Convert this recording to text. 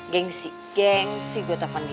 gengsi gengsi gua telfon enggak